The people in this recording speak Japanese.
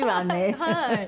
はい。